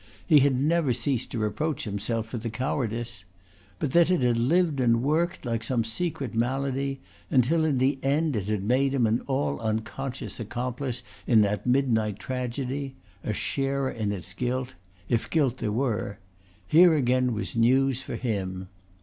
He had never ceased to reproach himself for the cowardice. But that it had lived and worked like some secret malady until in the end it had made him an all unconscious accomplice in that midnight tragedy, a sharer in its guilt, if guilt there were here again was news for him.